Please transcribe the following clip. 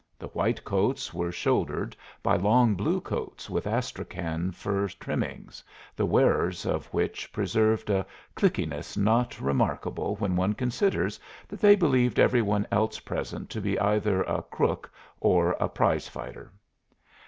The white coats were shouldered by long blue coats with astrakhan fur trimmings, the wearers of which preserved a cliqueness not remarkable when one considers that they believed every one else present to be either a crook or a prize fighter.